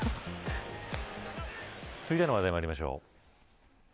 続いての話題にまいりましょう。